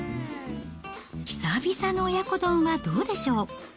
久々の親子丼はどうでしょう。